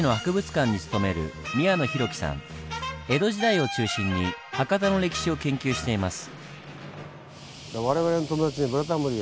江戸時代を中心に博多の歴史を研究しています。